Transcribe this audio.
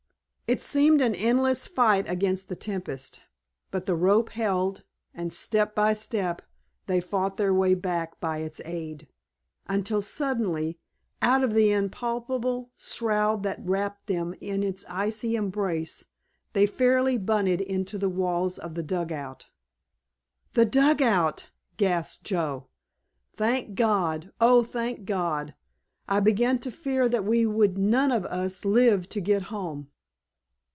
It seemed an endless fight against the tempest, but the rope held, and step by step they fought their way back by its aid, until suddenly out of the impalpable shroud that wrapped them in its icy embrace they fairly bunted into the walls of the dugout. "The dugout!" gasped Joe, "thank God, oh, thank God! I began to fear we would none of us live to get home!"